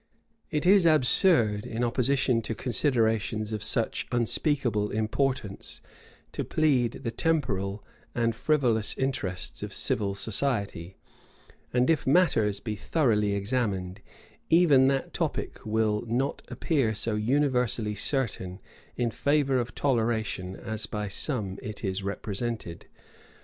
It is absurd, in opposition to considerations of such unspeakable importance, to plead the temporal and frivolous interests of civil society; and if matters be thoroughly examined, even that topic will not appear so universally certain in favor of toleration as by some it is represented.